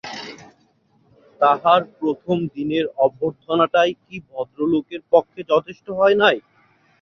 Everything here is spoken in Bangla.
তাহার প্রথম দিনের অভ্যর্থনাটাই কি ভদ্রলোকের পক্ষে যথেষ্ট হয় নাই।